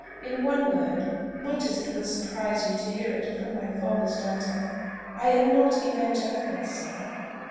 In one word, much as it will surprise you to hear it from my father's daughter, I am not evangelical, sir."